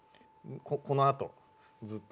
このあとずっと。